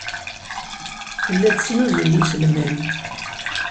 Tella tesnuzuy iselman.